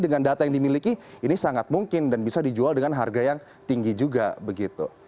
dengan data yang dimiliki ini sangat mungkin dan bisa dijual dengan harga yang tinggi juga begitu